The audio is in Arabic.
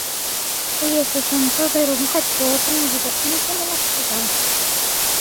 هي ستنتظر حتى تنزل أنت من الشجرة.